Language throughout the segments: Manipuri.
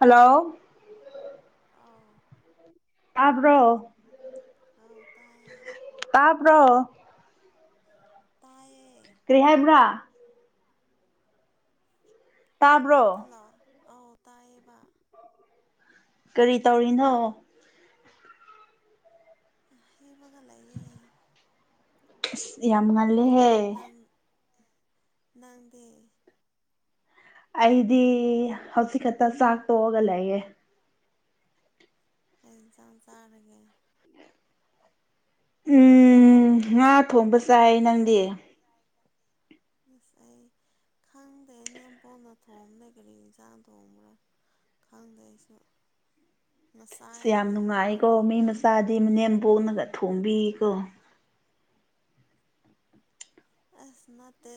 ꯍꯜꯂꯣ ꯑꯥꯎ ꯇꯥꯕ꯭ꯔꯣ [unintelligible] ꯍꯥꯎ ꯇꯥꯏꯑꯦ ꯇꯥꯕ꯭ꯔꯣ [unintelligible] ꯇꯥꯏꯌꯦ ꯀꯔꯤ ꯍꯥꯏꯕ꯭ꯔꯥ ꯇꯥꯕ꯭ꯔꯣ ꯍꯜꯂꯣ ꯑꯧ ꯇꯥꯏꯌꯦꯕ ꯀꯔꯤ ꯇꯧꯔꯤꯅꯣ ꯍꯦꯕꯒ ꯂꯩꯌꯦ ꯉꯁꯤꯗꯤ ꯌꯥꯝ ꯉꯜꯂꯦꯍꯦ ꯅꯪ ꯅꯪꯗꯤ ꯑꯩꯗꯤ ꯍꯧꯖꯤꯛ ꯈꯛꯇ ꯆꯥꯛ ꯇꯣꯛꯑꯒ ꯂꯩꯌꯦ ꯀꯩ ꯍꯩꯖꯥꯡ ꯆꯥꯔꯒꯦ ꯎꯝ ꯉꯥ ꯊꯣꯡꯕ ꯆꯥꯏꯑꯦ ꯅꯪꯗꯤ ꯉꯁꯥꯏ ꯈꯪꯗꯦ ꯅꯦꯝꯄꯣꯛꯅ ꯊꯣꯛꯕꯅꯦ ꯀꯔꯤ ꯏꯟꯁꯥꯡ ꯊꯣꯡꯕ꯭ꯔꯥ ꯈꯪꯗ꯭ꯔꯦ ꯑꯩꯁꯨ ꯉꯁꯥꯏꯗꯒꯤ ꯍꯦꯛꯞꯄꯒ ꯂꯩꯔꯦ ꯆꯥꯗꯤ ꯃꯅꯦꯝꯕꯣꯛꯅꯒ ꯊꯣꯡꯕꯤꯀꯣ ꯑꯁ ꯅꯠꯇꯦ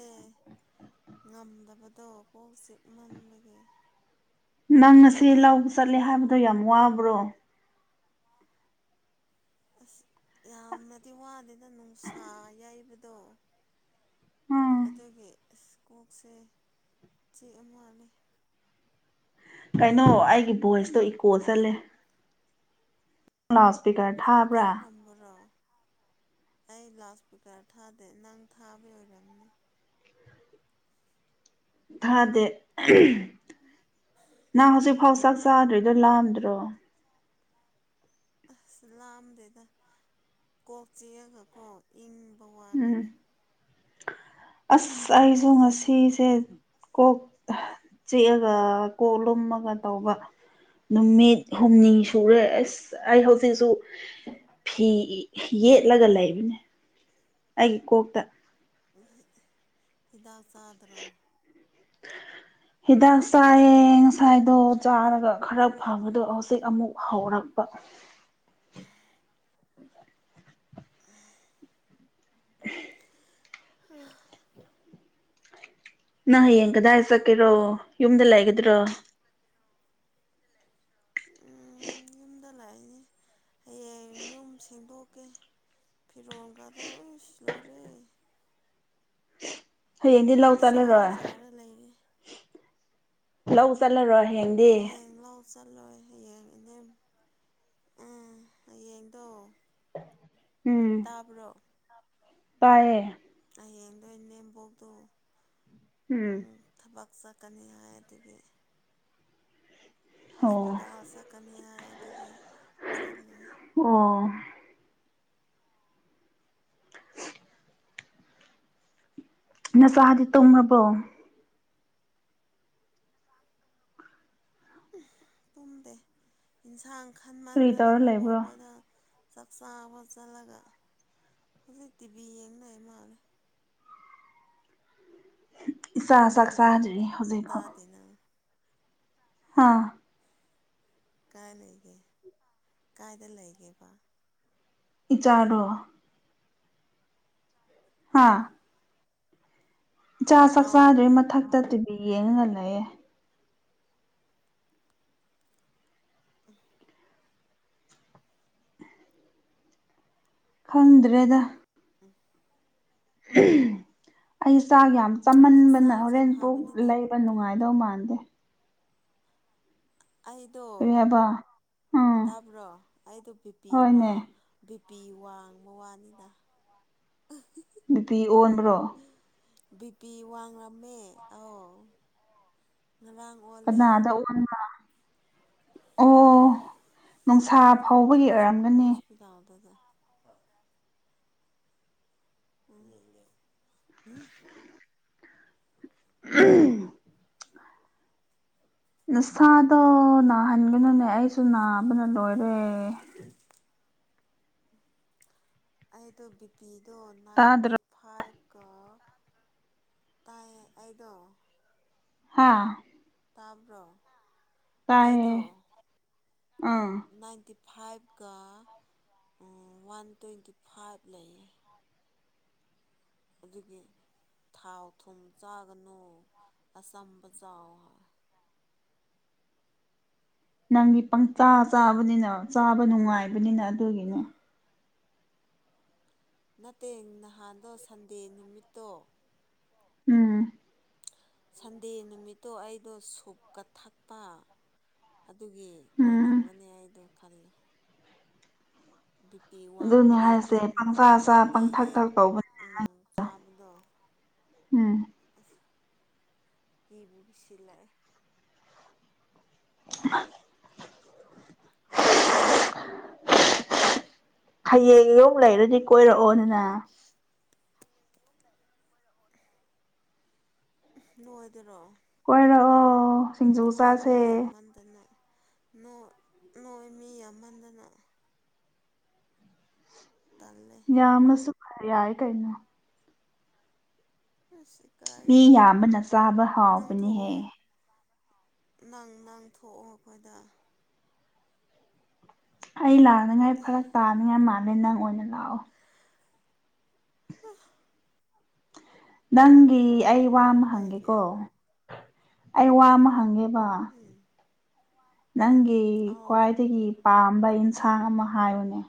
ꯉꯝꯗꯕꯗꯣ ꯀꯣꯛ ꯆꯤꯛꯃꯟꯕꯒꯤ ꯅꯪ ꯉꯁꯤ ꯂꯧ ꯆꯠꯂꯦ ꯍꯥꯏꯕꯗꯣ ꯌꯥꯝ ꯋꯥꯕ꯭ꯔꯣ [unintelligible] ꯑꯁ ꯌꯥꯝꯅꯗꯤ ꯋꯥꯗꯦꯅ ꯅꯨꯡꯁꯥ ꯌꯩꯕꯗꯣ ꯎꯝ ꯑꯗꯨꯒꯤ ꯑꯁ ꯀꯣꯛꯁꯦ ꯆꯤꯛ ꯑ ꯃꯥꯜꯂꯦ ꯀꯩꯅꯣ ꯑꯩꯒꯤ ꯚꯣꯏꯁꯇꯣ ꯏꯀꯣ ꯆꯠꯂꯦ ꯅꯪ ꯂꯥꯎ ꯏꯁ꯭ꯄꯤꯀꯔ ꯊꯥꯕ꯭ꯔꯥ [unintelligible] ꯑꯩ ꯂꯥꯎꯠ ꯏꯁꯄꯤꯀꯔ ꯊꯥꯗꯦ ꯅꯪ ꯊꯥꯕꯩ ꯑꯣꯏꯔꯝꯅꯤ ꯊꯥꯗꯦ ꯅꯪ ꯍꯧꯖꯤꯛꯐꯥꯎ ꯆꯥꯛ ꯆꯥꯗ꯭ꯔꯤꯗꯣ ꯂꯥꯝꯗ꯭ꯔꯣ ꯑꯁ ꯂꯥꯑꯝꯗꯦꯗ ꯀꯣꯛ ꯆꯤꯛꯑꯒꯀꯣ ꯏꯪꯕ ꯋꯥꯅꯤꯗ ꯎꯝ ꯑꯁ ꯑꯩꯁꯨ ꯉꯁꯤꯁꯦ ꯀꯣꯛ ꯆꯤꯛꯑꯒ ꯀꯣꯛ ꯂꯨꯝꯃꯒ ꯇꯧꯕ ꯅꯨꯃꯤꯠ ꯍꯨꯝꯅꯤ ꯁꯨꯔꯦ ꯑꯁ ꯑꯩ ꯍꯧꯖꯤꯛꯁꯨ ꯐꯤ ꯌꯦꯠꯂꯒ ꯂꯩꯕꯅꯦ ꯑꯩꯒꯤ ꯀꯣꯛꯇ [unintelligible] ꯍꯤꯗꯥꯛ ꯆꯥꯗ꯭ꯔꯣ ꯍꯤꯗꯥꯛ ꯆꯥꯏꯌꯦ ꯉꯁꯥꯏꯗꯣ ꯆꯥꯔꯒ ꯈꯔ ꯐꯪꯕꯗꯣ ꯍꯧꯖꯤꯛ ꯑꯃꯨꯛ ꯍꯧꯔꯛꯄ [unintelligible] ꯍꯥ ꯅꯪ ꯍꯌꯦꯡ ꯀꯗꯥꯏ ꯆꯠꯀꯦꯔꯣ ꯌꯨꯝꯗ ꯂꯩꯒꯗ꯭ꯔꯣ ꯎꯝ ꯌꯨꯝ ꯗ ꯂꯥꯏꯅꯤ ꯌꯨꯝ ꯁꯦꯡꯗꯣꯛꯀꯦ ꯐꯤꯔꯣꯜꯒꯥꯗꯣ ꯏꯁ ꯂꯣꯏꯔꯦ ꯍꯌꯦꯡꯗꯤ ꯂꯧ ꯄꯨꯡꯆꯥꯏ ꯆꯠꯂꯔꯣꯏ ꯆꯥꯏꯔ ꯂꯩꯔꯦ ꯂꯧ ꯆꯠꯂꯔꯣꯏ ꯍꯌꯦꯡ ꯍꯌꯦꯡ ꯂꯧ ꯆꯠꯂꯣꯏ ꯍꯌꯦꯡ ꯏꯅꯦꯝ ꯎꯝ ꯍꯌꯦꯡꯗꯣ ꯎꯝ ꯇꯥꯕ꯭ꯔꯣ ꯇꯥꯏꯌꯦ ꯍꯌꯦꯡꯗꯣ ꯏꯅꯦꯝꯕꯣꯛꯇꯣ ꯎꯝ ꯊꯕꯛ ꯆꯠꯀꯅꯤ ꯍꯥꯏ ꯑꯗꯨꯒꯤ ꯑꯣ ꯍꯣꯁꯄꯤꯇꯥꯜ ꯆꯠꯀꯅꯤ ꯍꯥꯏ ꯑꯗꯨꯒꯤ ꯆꯠꯂꯣꯏ ꯑꯣ ꯅꯆꯥꯗꯤ ꯇꯨꯝꯃꯕꯣ ꯇꯨꯝꯗꯦ ꯌꯦꯟꯁꯥꯡ ꯀꯔꯤ ꯈꯟꯃꯟꯗꯅ ꯇꯧꯔ ꯃꯕꯣꯛ ꯂꯩꯕ꯭ꯔꯣ ꯈꯣꯏꯗ ꯆꯥꯛ ꯆꯥꯕ ꯆꯠꯂꯒ ꯍꯧꯖꯤꯛ ꯇꯤꯚꯤ ꯌꯦꯡ ꯂꯩ ꯃꯥꯜꯂꯦ ꯏꯆꯥ ꯆꯥꯛ ꯅꯪꯗꯤ ꯆꯥꯗ꯭ꯔꯤ ꯍꯧꯖꯤꯛꯐꯧ [unintelligible] ꯍꯥ ꯀꯥꯏ ꯂꯩꯒꯦ ꯀꯥꯏꯗ ꯂꯩꯒꯦꯕ ꯏꯆꯥꯔꯣ ꯑꯥꯎ ꯍꯥ ꯏꯆꯥ ꯆꯥꯛ ꯑꯥꯎ ꯆꯥꯥꯗ꯭ꯔꯤ ꯃꯊꯛꯇ ꯇꯤꯚꯤ ꯌꯦꯡꯉꯒ ꯂꯩꯌꯦ [unintelligible] ꯈꯪꯗ꯭ꯔꯦꯗ ꯎꯝ ꯑꯩ ꯆꯥꯛ ꯌꯥꯝ ꯆꯥꯃꯟꯗꯅ ꯍꯛꯆꯥꯡꯁꯦ ꯍꯣꯔꯦꯟ ꯄꯨꯛ ꯐꯕꯅꯤꯅ ꯂꯩꯕ ꯈꯪꯗꯦ ꯅꯨꯡꯉꯥꯏꯗꯧ ꯃꯥꯟꯗꯦ ꯑꯩꯗꯣ ꯀꯔꯤ ꯍꯥꯏꯕ ꯎꯝ ꯇꯥꯕ꯭ꯔꯣ ꯑꯩꯗꯣ ꯕꯤ ꯕꯤꯄꯤ ꯍꯣꯏꯅꯦ ꯋꯥꯡ ꯕꯤꯄꯤ ꯋꯥꯡꯕ ꯋꯥꯅꯤꯗ ꯕꯤꯄꯤ ꯑꯣꯟꯕ꯭ꯔꯣ ꯕꯤ ꯄꯤ ꯋꯥꯡꯂꯝꯃꯦ ꯑꯧ ꯉꯔꯥꯡ ꯑꯣꯜꯂꯦ ꯀꯅꯥꯗ ꯎꯍꯟꯕ ꯑꯣ ꯅꯣꯡꯁꯥꯞ ꯍꯣꯁ ꯍꯣꯁꯄꯤꯇꯜꯗꯗ ꯎꯝ ꯍꯨꯝ ꯎꯝ ꯅꯁꯥꯗꯣ ꯅꯥꯍꯟꯒꯅꯨꯅꯦ ꯑꯩꯁꯨ ꯅꯥꯕꯅ ꯂꯣꯏꯔꯦ ꯑꯩꯗꯣ ꯕꯤ ꯄꯤꯗꯣ ꯇꯥꯗ꯭ꯔꯣ ꯅꯥꯏꯟꯇꯤꯞ ꯐꯥꯏꯚ ꯀ ꯇꯥꯏꯌꯦ ꯑꯩꯗꯣ ꯍꯥꯥ ꯇꯥꯕ꯭ꯔꯣ ꯇꯥꯢꯌꯦ ꯑꯩꯗꯣ ꯎꯝ ꯅꯥꯏꯟꯇꯤ ꯐꯥꯏꯚꯀ ꯋꯥꯟ ꯇ꯭ꯋꯦꯟꯇꯤ ꯐꯥꯏꯚ ꯂꯩꯌꯦ ꯑꯗꯨꯒꯤ ꯊꯥꯎ ꯊꯨꯝ ꯆꯥꯒꯅꯣ ꯑꯆꯝꯕ ꯆꯥꯎ ꯍꯥꯢ ꯅꯪꯒꯤ ꯄꯪꯆꯥ ꯆꯥꯕꯅꯤꯅ ꯆꯥꯕ ꯅꯨꯡꯉꯥꯢꯕꯅꯤꯅ ꯑꯗꯨꯒꯤꯅꯦ ꯅꯠꯇꯦ ꯅꯍꯥꯟꯗꯣ ꯁꯟꯗꯦ ꯅꯨꯃꯤꯠꯇꯣ ꯎꯝ ꯁꯟꯗꯦ ꯅꯨꯃꯤꯠꯇꯣ ꯑꯩꯗꯣ ꯁꯨꯞꯀ ꯊꯛꯄ ꯑꯗꯨꯒꯤ ꯎꯝ ꯑꯣꯏꯔꯝꯒꯅꯤ ꯑꯩꯗꯣ ꯈꯜꯂꯦ ꯕꯤꯄꯤ ꯑꯗꯨꯅꯦ ꯋꯥꯡꯕꯗꯤ ꯍꯥꯏꯁꯦ ꯑꯗꯨꯝ ꯄꯪꯆꯥ ꯆꯥ ꯍꯦꯛ ꯄꯪꯊꯛ ꯍꯦꯛ ꯊꯛ ꯇꯧꯕ ꯎꯝ ꯆꯥꯕꯗꯣ ꯎꯝ ꯑꯁ ꯀꯤꯕꯨ ꯀꯤꯁꯤꯜꯂꯛꯑꯦ ꯉ [unintelligible] ꯍꯌꯦꯡ ꯌꯧ ꯂꯩꯔꯗꯤ ꯀꯣꯏꯔꯛꯑꯣꯗꯅ ꯅꯣꯢꯗꯔꯣ ꯀꯣꯏꯔꯛꯑꯣ ꯁꯤꯡꯖꯨ ꯆꯥꯁꯦ ꯇꯅꯦ ꯅꯣ ꯅꯣꯢ ꯃꯤ ꯌꯥꯝꯃꯟꯗꯅ ꯇꯜꯂꯦ ꯌꯥꯝꯅꯁꯨ ꯐ ꯌꯥꯢ ꯀꯩꯅꯣ ꯑꯁ ꯏꯀꯥꯏꯌꯦ ꯃꯤ ꯌꯥꯝꯕꯅ ꯆꯥꯕ ꯅꯪ ꯍꯥꯎꯕꯅꯤꯍꯦ ꯊꯣꯛꯑꯣ ꯅꯪ ꯅꯪ ꯊꯣꯛꯑꯣ ꯑꯈꯣꯢꯗ ꯑꯩ ꯂꯥꯛꯅꯉꯥꯢ ꯐꯔꯛ ꯇꯥꯅꯤꯡꯉꯥꯢ ꯃꯥꯜꯂꯦ ꯅꯪ ꯑꯣꯢꯅ ꯂꯥꯛꯑꯣ ꯍꯑ ꯅꯪꯒꯤ ꯑꯩ ꯋꯥ ꯑꯃ ꯀꯩꯒꯤ ꯍꯪꯒꯦꯀꯣ ꯑꯩ ꯋꯥ ꯑꯃ ꯍꯪꯒꯦꯕ ꯎꯝ ꯅꯪꯒꯤ ꯑꯥꯎ ꯈ꯭ꯋꯥꯢꯗꯒꯤ ꯄꯥꯝꯕ ꯑꯟꯁꯥꯡ ꯑꯃ ꯍꯥꯏꯌꯨꯅꯦ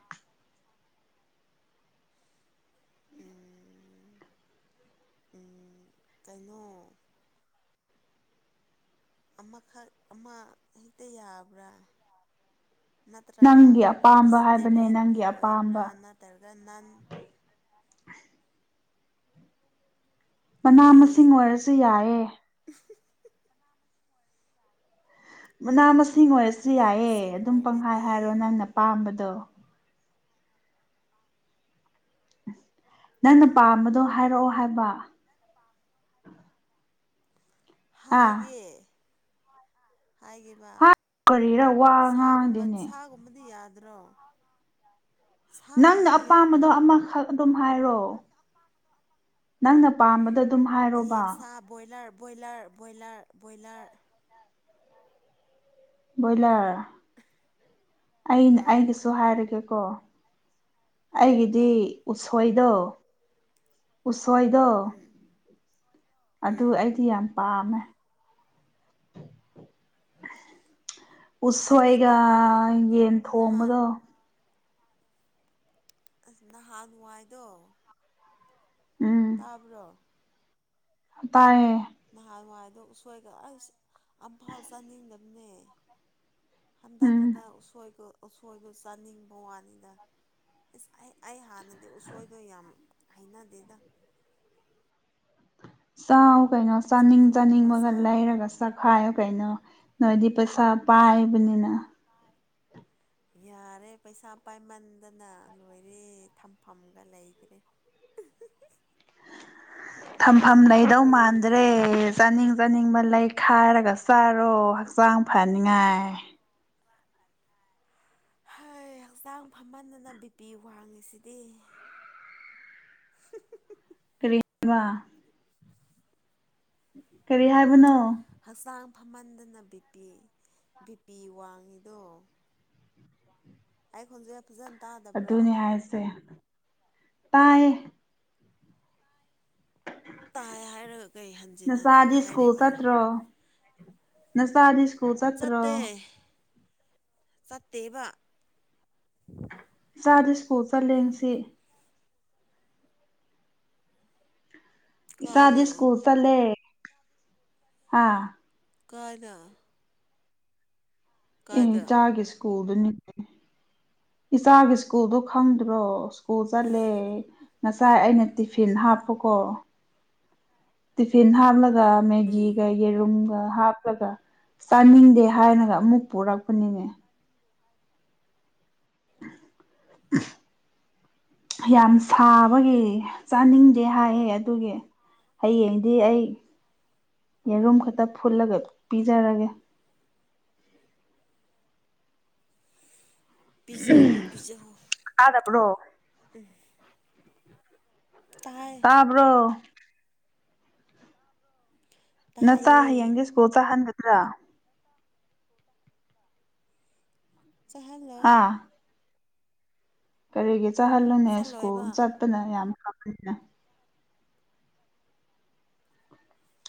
ꯎꯝ ꯎꯝ ꯀꯩꯅꯣ ꯑꯃꯈꯛ ꯑꯃ ꯍꯦꯛꯇ ꯌꯥꯕ꯭ꯔꯥ ꯅꯠꯇ꯭ꯔꯒ ꯅꯪꯒꯤ ꯑꯄꯥꯝꯕ ꯍꯥꯏꯕꯅꯦ ꯗꯤꯁꯇꯦꯔꯤꯟꯒꯤ ꯅꯪꯒꯤ ꯑꯣꯏꯕ꯭ꯔꯥ ꯑꯄꯥꯝꯕ ꯅꯠꯇ꯭ꯔꯒ ꯅꯟ ꯃꯅꯥ ꯌꯦꯟ ꯃꯁꯤꯡ ꯑꯣꯢꯔꯁꯨ ꯌꯥꯢꯌꯦ ꯃꯅꯥ ꯃꯁꯤꯡ ꯑꯣꯢꯔꯁꯨ ꯃꯅꯥ ꯌꯥꯢꯌꯦ ꯃꯁꯤꯡ ꯑꯗꯨꯝ ꯄꯪꯍꯥꯢ ꯑꯣꯏꯔꯗꯤ ꯍꯥꯢꯔꯣ ꯅꯪꯅ ꯄꯥꯝꯕꯗꯣ ꯅꯪꯅ ꯄꯥꯝꯕꯗꯣ ꯍꯥꯢꯔꯛꯑꯣ ꯍꯥꯢꯕ ꯅꯪꯅ ꯄꯥꯝꯕꯗꯣ ꯍꯥꯢꯔꯣ ꯑꯥ ꯍꯥꯢꯒꯦ ꯍꯥꯢꯒꯦꯕ ꯍꯥꯏ ꯀꯔꯤꯔ ꯋꯥ ꯉꯥꯡꯗꯦꯅꯦ ꯕꯗꯤ ꯌꯥꯗ꯭ꯔꯣ ꯅꯪꯅ ꯁꯥꯒꯨꯝꯕꯗꯤ ꯑꯄꯥꯝꯕꯗꯣ ꯌꯥꯗ꯭ꯔꯣ ꯑꯃꯈꯛ ꯑꯗꯨꯝ ꯍꯥꯏꯔꯣ ꯅꯪꯅ ꯄꯥꯝꯕꯗꯣ ꯑꯗꯨꯝ ꯍꯥꯏꯔꯣꯕ ꯌꯦꯟꯁꯥ boiler boiler boiler boiler boiler ꯑꯩꯅ ꯑꯥꯎ ꯑꯩꯒꯤꯁꯨ ꯍꯥꯏꯔꯒꯦꯀꯣ ꯑꯩꯒꯤꯗꯤ ꯑꯥꯎ ꯎꯁꯣꯏꯗꯣ ꯎꯁꯣꯏꯗꯣ ꯎꯝ ꯑꯗꯨ ꯎꯝ ꯑꯩꯗꯤ ꯌꯥꯝ ꯄꯥꯝꯃꯦ ꯑꯩꯗꯣ ꯎꯁꯣꯏꯒ ꯅꯍꯥꯟ ꯌꯦꯟ ꯅꯍꯥꯟ ꯊꯣꯡꯕꯗꯣ ꯑꯁ ꯅꯍꯥꯟꯋꯥꯥꯏꯗꯣ ꯎꯝ ꯇꯥꯕ꯭ꯔꯣ ꯇꯥꯏꯌꯦ ꯅꯍꯥꯟꯋꯥꯏꯗꯣ ꯎꯁꯣꯏꯒ ꯑꯁ ꯑꯝꯐꯥꯎ ꯆꯥꯅꯤꯡꯗꯝꯅꯦ ꯍꯟꯗꯛ ꯎꯝ ꯈꯛꯇ ꯎꯁꯣꯏꯒ ꯎꯁꯣꯏꯗꯣ ꯆꯥꯅꯤꯡꯕ ꯋꯥꯅꯤꯗ ꯏꯁ ꯑꯩ ꯑꯩ ꯍꯥꯟꯅꯗꯤ ꯎꯁꯣꯏꯗꯣ ꯌꯥꯝ ꯍꯩꯅꯗꯦꯗ ꯆꯥꯎ ꯀꯩꯅꯣ ꯆꯥꯅꯤꯡ ꯁꯤꯡꯖꯨꯒꯨꯝꯕ ꯆꯥꯅꯤꯡꯕꯒ ꯆꯥ ꯂꯩꯔꯒ ꯆꯥꯈꯥꯏꯌꯣ ꯀꯩꯅꯣ ꯅꯣꯏꯗꯤ ꯄꯩꯁꯥ ꯄꯥꯏꯕꯅꯤꯅ ꯌꯥꯔꯦ ꯄꯩꯁꯥ ꯄꯥꯏꯃꯟꯗꯅ ꯂꯣꯏꯔꯦ ꯊꯝꯐꯝꯒ ꯂꯩꯇ꯭ꯔꯦ ꯊꯝꯐꯝ ꯂꯩꯗꯧ ꯃꯥꯟꯗ꯭ꯔꯦ ꯆꯥꯅꯤꯡ ꯆꯥꯅꯤꯡꯕ ꯂꯩꯈꯥꯏꯔꯒ ꯆꯥꯔꯣ ꯍꯛꯆꯥꯡ ꯊꯥꯔꯒ ꯐꯅꯤꯡꯉꯥꯏ ꯆꯥꯔꯣ [inaudible] ꯍꯩ ꯍꯛꯆꯥꯡ ꯐꯃꯟꯗꯅ ꯕꯤ ꯄꯤ ꯋꯥꯡꯉꯤꯁꯤꯗꯤ ꯀꯔꯤ ꯃꯥ ꯀꯔꯤ ꯍꯥꯏꯕꯅꯣ ꯍꯛꯆꯥꯡ ꯐꯃꯟꯗꯅ ꯕꯤ ꯄꯤ ꯕꯤ ꯄꯤ ꯋꯥꯡꯉꯤꯗꯣ ꯑꯩꯥ ꯈꯣꯟꯖꯦꯜ ꯐꯖꯟ ꯇꯥꯗ ꯑꯗꯨꯅꯤ ꯍꯥꯏꯁꯦ ꯇꯥꯏꯌꯦ ꯇꯥꯏ ꯍꯥꯏꯔꯒ ꯀꯩ ꯍꯟꯖꯤꯟ ꯍꯟꯖꯤꯟ ꯅꯆꯥꯗꯤ ꯁ꯭ꯀꯨꯜ ꯍꯥꯏꯔꯤꯕ ꯆꯠꯇ꯭ꯔꯣ ꯅꯆꯥꯗꯤ ꯁꯀ꯭ꯨꯜ ꯆꯠ ꯆꯠꯇꯦ ꯆꯠꯇꯦꯕ ꯏꯆꯥꯗꯤ ꯁꯀ꯭ꯨꯜ ꯆꯠꯂꯦ ꯉꯁꯤ ꯏꯆꯥꯗꯤ ꯀꯥꯏꯗ ꯁꯀ꯭ꯨꯜ ꯆꯠꯂꯦ ꯍꯥ ꯀꯅꯥ ꯑꯦ ꯀꯥꯏꯗ ꯆꯥꯒꯤ ꯁ꯭ꯀꯨꯜꯗꯨꯅꯤꯅꯦ ꯏꯆꯥꯒꯤ ꯁ꯭ꯀꯨꯜꯗꯣ ꯈꯪꯗ꯭ꯔꯣ ꯁ꯭ꯀꯨꯜ ꯆꯠꯂꯦ ꯉꯁꯥꯏ ꯑꯩꯅ ꯇꯤꯐꯤꯟ ꯍꯥꯞꯄꯀꯣ [unintelligible] ꯇꯤꯐꯤꯟ ꯍꯥꯞꯂꯒ ꯎꯝ ꯃꯦꯒꯤꯒ ꯌꯦꯔ ꯔꯨꯝꯒ ꯍꯥꯞꯂꯒ ꯆꯥꯅꯤꯡꯗꯦ ꯍꯥꯏꯅꯒ ꯑꯃꯨꯛ ꯄꯨꯔꯛꯄꯅꯤꯅꯦ ꯑ ꯌꯥꯝ ꯁꯥꯕꯒꯤ ꯆꯥꯅꯤꯡ ꯗꯦ ꯍꯥꯏꯌꯦ ꯑꯗꯨꯒꯤ ꯍꯌꯦꯡꯗꯤ ꯑꯩ ꯌꯦꯔꯨꯝ ꯈꯇ ꯐꯨꯠꯂꯒ ꯄꯤꯖꯔꯒꯦ ꯄꯤꯖꯧꯋꯣ ꯄꯤꯖꯧꯋꯣ ꯇꯥꯗꯕ꯭ꯔꯣ ꯎꯝ ꯇꯥꯏ ꯔꯣ ꯇꯥꯕ꯭ꯔꯣ ꯅꯆꯥ ꯍꯌꯦꯡꯗꯤ ꯁꯀ꯭ꯨꯜ ꯆꯠꯍꯟꯒꯗ꯭ꯔꯥ ꯆꯥꯍꯟꯂꯣꯏ ꯍꯥ ꯀꯔꯤꯒꯤ ꯆꯍꯜꯂꯨꯅꯦ ꯁ꯭ꯀꯨꯜ ꯆꯠꯂꯣꯏꯕ ꯆꯠꯄꯅ ꯌꯥꯝ ꯐꯕꯅꯤꯅꯦ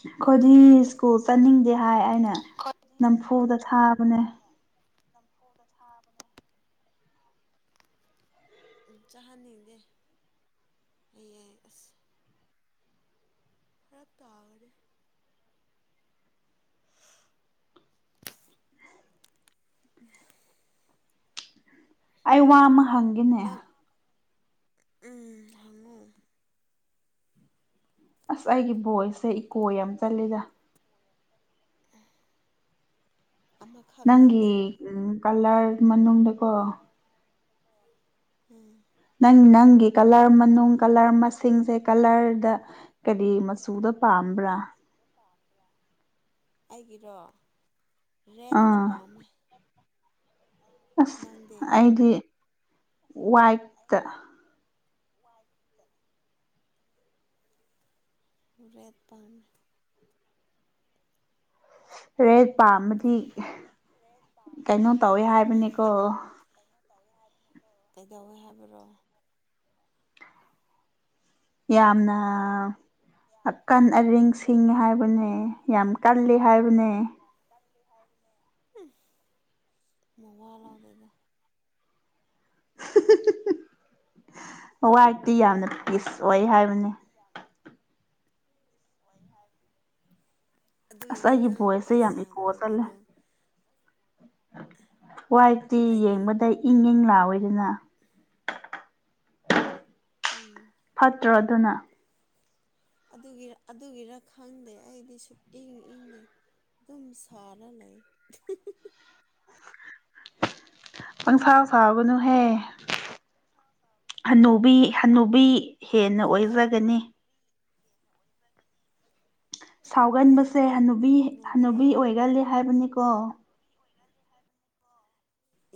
ꯑꯩꯈꯣꯏꯗꯤ ꯁ꯭ꯀꯨꯜ ꯆꯠꯅꯤꯡꯗꯦ ꯍꯥꯏ ꯑꯩꯅ [unintelligible] ꯁ꯭ꯀꯨꯜ ꯅꯝꯐꯨꯗ ꯆꯠꯅꯤꯡꯗꯦ ꯍꯥꯏ ꯊꯥꯕꯅꯦ ꯑꯩꯅ ꯅꯝꯐꯨꯗ ꯊꯥꯕꯅꯦ ꯎꯝ ꯆꯥꯍꯟꯅꯤꯡꯗꯦ ꯍꯌꯦꯡ ꯑꯁ ꯐꯔꯛꯇꯥꯒꯅꯦ [unintelligible] ꯑꯩ ꯋꯥ ꯑꯃ ꯍꯪꯒꯦꯅꯦ ꯅꯪ ꯎꯝ ꯍꯪꯉꯨ ꯑꯁ ꯑꯩꯒꯤ ꯕꯣꯏꯁꯁꯦ ꯏꯀꯣ ꯌꯥꯝ ꯆꯠꯂꯤꯗ [inaudible] ꯑꯃꯈꯛ ꯅꯪꯒꯤ ꯅꯠꯇꯦ ꯀꯂꯥꯔ ꯃꯅꯨꯡꯗꯀꯣ ꯎꯝ ꯅꯪ ꯅꯪꯒꯤ ꯀꯂꯔ ꯃꯅꯨꯡ ꯀꯂꯔ ꯃꯁꯤꯡꯁꯦ ꯀꯂꯔꯗ ꯀꯔꯤ ꯃꯆꯨꯗ ꯄꯥꯝꯕ꯭ꯔꯥ ꯑꯩꯒꯤꯔꯣ ꯔꯦꯗꯇꯥ ꯑꯥ ꯄꯥꯝꯃꯦ ꯑꯁ ꯅꯪꯗꯤ ꯑꯩꯗꯤ ꯋꯥꯏꯠꯇ ꯋꯥꯏꯠꯇ ꯔꯦꯗ ꯄꯝꯃꯦ ꯔꯦꯗ ꯄꯥꯝꯕꯗꯤ ꯀꯩꯅꯣ ꯇꯧꯋꯦ ꯍꯥꯏꯕꯅꯤꯀꯣ [unintelligible] ꯀꯩꯗꯧꯋꯦ ꯍꯥꯏꯕ꯭ꯔꯣ ꯌꯥꯝꯅ ꯑꯀꯟ ꯑꯔꯤꯡ ꯁꯤꯡꯉꯦ ꯍꯥꯏꯕꯅꯦ ꯌꯥꯝ ꯀꯜꯂꯤ ꯍꯥꯏꯕꯅꯦ [unintelligible] ꯏꯁ ꯃꯋꯥ ꯂꯧꯗꯦꯗ [unintelligible] ꯋꯥꯏꯠꯇꯤ ꯌꯥꯝꯅ ꯄꯤꯁ ꯑꯣꯏ ꯍꯥꯏꯕꯅꯤ [unintelligible] ꯑꯗꯨꯏꯅꯦ ꯑꯁ ꯑꯩꯒꯤ ꯅꯪ ꯚꯣꯏꯁꯁꯦ ꯄꯤꯁ ꯌꯥꯝ ꯏꯀꯣ ꯑꯣꯏꯔꯤꯗꯣ ꯋꯥꯏꯐꯇꯤ ꯑꯩꯗꯤ ꯌꯦꯡꯕꯗ ꯏꯪ ꯏꯪ ꯂꯥꯎꯏꯗꯅ ꯎꯝ ꯐꯠꯇ꯭ꯔꯣ ꯑꯗꯨꯅ ꯑꯗꯨꯒꯤꯔ ꯑꯗꯨꯒꯤꯔ ꯈꯪꯗꯦ ꯑꯩꯗꯤ ꯁꯨꯛ ꯏꯪ ꯏꯪꯗꯦ ꯑꯗꯨꯝ ꯁꯥꯔ ꯂꯩ ꯄꯪꯁꯥ ꯁꯥꯕꯅꯨꯍꯦ [unintelligible] ꯍꯟꯅꯨꯕꯤ ꯍꯟꯅꯨꯕꯤ ꯍꯦꯟꯅ ꯈꯪꯗꯦ ꯑꯣꯏꯕꯗꯅꯤ [inaudible] ꯈꯪꯗꯦ ꯁꯥꯎꯒꯟꯕꯁꯦ ꯍꯅꯨꯕꯤ ꯍꯅꯨꯕꯤ ꯑꯣꯏꯒꯜꯂꯤ ꯍꯥꯏꯕꯅꯤꯀꯣ [unintelligible]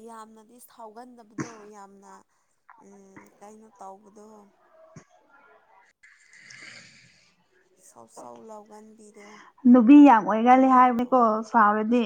ꯌꯥꯝꯅꯗꯤ ꯁꯥꯎꯒꯟꯗꯕꯗꯣ ꯌꯥꯝꯅ ꯎꯝ ꯀꯩꯅꯣ ꯇꯧꯕꯗꯣ ꯁꯧ ꯁꯧ ꯂꯥꯎꯒꯟꯕꯤꯗꯣ ꯍꯅꯨꯕꯤ ꯌꯥꯝ ꯑꯣꯏꯒꯜꯂꯤ ꯍꯥꯏꯕꯅꯦꯀꯣ ꯁꯥꯎꯔꯗꯤ